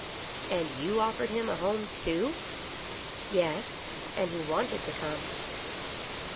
And you offered him a home, too ?"" Yes, and he wanted to come."